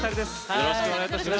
よろしくお願いします。